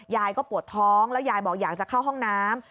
ยายก็ปวดท้องแล้วยายบอกอยากจะเข้าห้องน้ำ